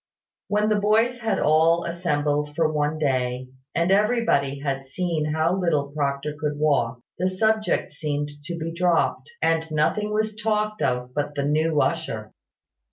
When the boys had been all assembled for one day, and everybody had seen how little Proctor could walk, the subject seemed to be dropped, and nothing was talked of but the new usher.